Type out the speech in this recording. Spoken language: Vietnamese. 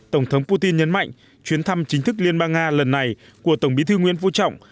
tổng thống putin nhấn mạnh chuyến thăm chính thức liên bang nga lần này của tổng bí thư nguyễn phú trọng